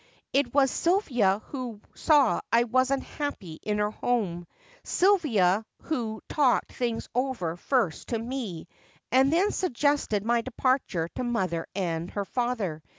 It was Sylvia who saw I wasn't happy in her home, Sylvia who talked things over first to me, and then suggested my departure to mother and her father.